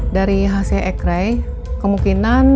dari khasnya ekrai kemungkinan bu elsa mengalami patah tulang paha